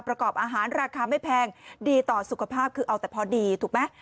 ประกอบอาหารราคาไม่แพงดีต่อสุขภาพคือเอาแต่พอดีถูกไหม